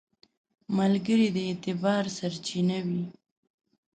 ملګری د اعتبار سرچینه وي